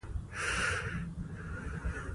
ستوني غرونه د افغانستان د چاپیریال ساتنې لپاره مهم دي.